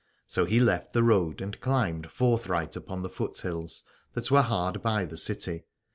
So he left the road and climbed forthright upon the foothills that were hard by the city.